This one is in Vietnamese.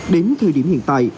đến thời điểm hiện tại